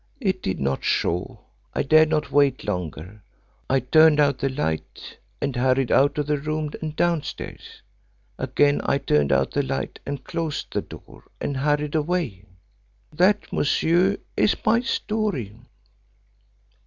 It did not show. I dared not wait longer. I turned out the light, and hurried out of the room and downstairs. Again I turned out the light, and closed the door, and hurried away. "That, monsieur, is my story."